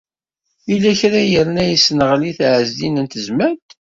Yella kra i yerna yessenɣel-it Ɛezdin n Tezmalt?